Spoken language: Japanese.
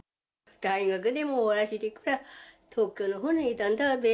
大学でも終わらせて、東京のほうにいたんだべ。